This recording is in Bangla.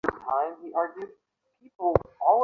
আমি আমার ছেলেকে নদীর ঘাটে দেখেছি।